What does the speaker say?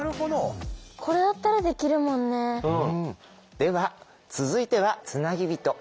では続いては「つなぎびと」。